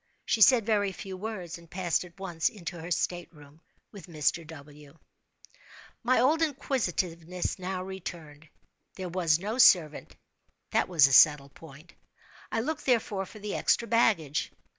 She said very few words, and passed at once into her state room with Mr. W. My old inquisitiveness now returned. There was no servant—that was a settled point. I looked, therefore, for the extra baggage.